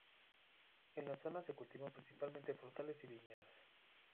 En la zona se cultivan principalmente frutales y viñedos.